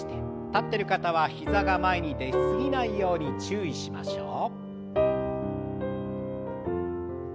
立ってる方は膝が前に出過ぎないように注意しましょう。